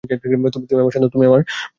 তুমি আমার সন্তান।